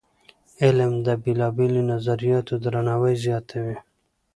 علم د بېلابېلو نظریاتو درناوی زیاتوي.